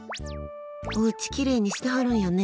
おうちきれいにしてはるんやね。